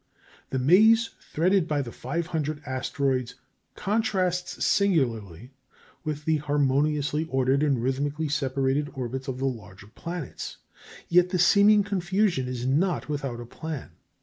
The maze threaded by the 500 asteroids contrasts singularly with the harmoniously ordered and rhythmically separated orbits of the larger planets. Yet the seeming confusion is not without a plan.